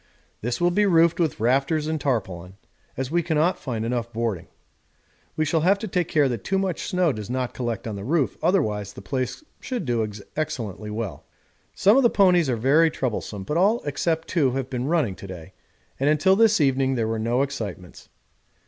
This will be roofed with rafters and tarpaulin, as we cannot find enough boarding. We shall have to take care that too much snow does not collect on the roof, otherwise the place should do excellently well. Some of the ponies are very troublesome, but all except two have been running to day, and until this evening there were no excitements.